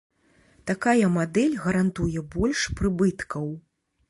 Такая мадэль гарантуе больш прыбыткаў.